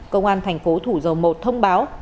công an thành phố thủ dầu một thông báo